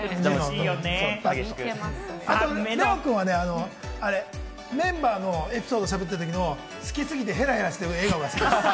あとＬＥＯ君はね、メンバーのエピソード喋ってるときの好きすぎてヘラヘラしてる笑顔が好き。